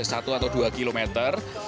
setelah sampai satu atau dua kilometer